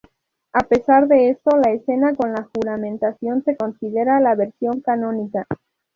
A pesar de esto, la escena con la juramentación se considera la versión canónica.